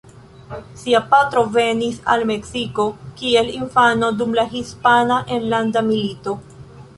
Sia patro venis al Meksiko kiel infano dum la Hispana Enlanda Milito.